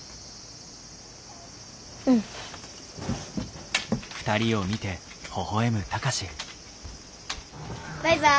うん。バイバイ。